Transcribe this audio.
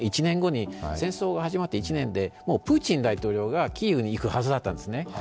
戦争が始まって１年でプーチン大統領がキーウに行くはずだったんですね。